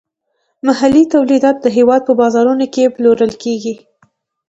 محلي تولیدات د هیواد په بازارونو کې پلورل کیږي.